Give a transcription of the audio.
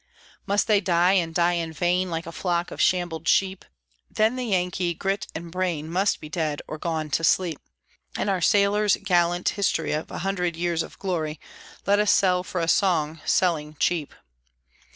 Must they die, and die in vain, Like a flock of shambled sheep? Then the Yankee grit and brain Must be dead or gone to sleep, And our sailors' gallant story of a hundred years of glory Let us sell for a song, selling cheap!